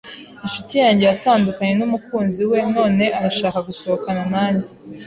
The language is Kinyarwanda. Inshuti yanjye yatandukanye numukunzi we none arashaka gusohokana nanjye.